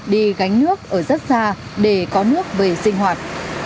đi gánh nước ở rất xa để có nước về sinh hoạt